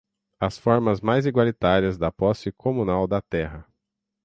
as formas mais igualitárias da posse comunal da terra